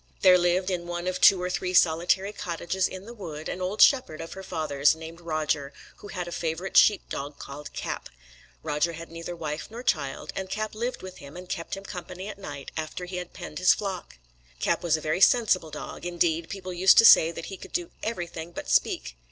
There lived in one of two or three solitary cottages in the wood an old shepherd of her father's, named Roger, who had a favourite sheep dog called Cap. Roger had neither wife nor child, and Cap lived with him and kept him company at night after he had penned his flock. Cap was a very sensible dog; indeed people used to say he could do everything but speak.